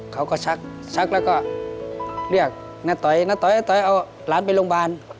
ชักชักแล้วก็เรียกน้าตอยณตอยตอยเอาหลานไปโรงพยาบาล